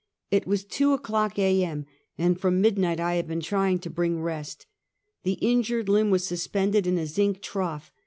It was two o'clock a. m,, and from mid night 1 had been trying to bring rest The injured limb was suspended in a zinc trough.